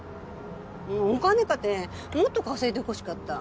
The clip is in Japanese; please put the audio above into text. もうお金かてもっと稼いでほしかった。